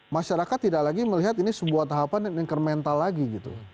masyarakat tidak lagi melihat ini sebuah tahapan incremental lagi gitu